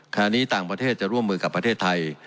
ขณะนี้ต่างประเทศจะร่วมมือกับประเทศไทย